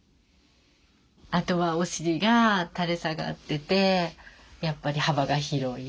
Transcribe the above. あとはお尻が垂れ下がっててやっぱり幅が広い。